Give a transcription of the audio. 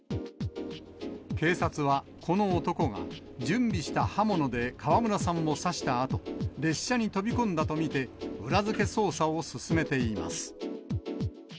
警察は、この男が準備した刃物で川村さんを刺したあと、列車に飛び込んだと見て、裏付け捜査を進めています。